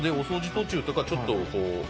途中とかちょっとこう。